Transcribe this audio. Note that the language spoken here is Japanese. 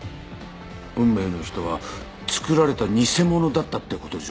運命の人は作られた偽物だったって事でしょうか。